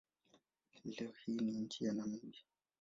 Leo hii ni nchi ya Namibia.